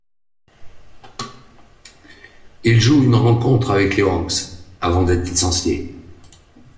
Il joue une rencontre avec les Hawks avant d'être licencié.